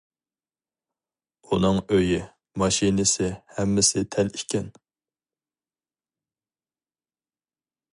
ئۇنىڭ ئۆيى، ماشىنىسى ھەممىسى تەل ئىكەن.